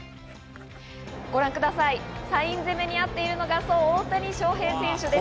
サイン攻めにあっているのが、大谷翔平選手です。